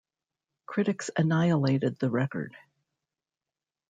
Critics annihilated the record.